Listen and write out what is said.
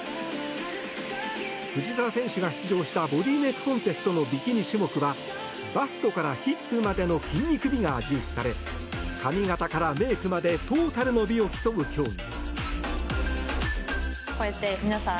藤澤選手が出場したボディーメイクコンテストのビキニ種目はバストからヒップまでの筋肉美が重視され髪形からメイクまでトータルの美を競う競技。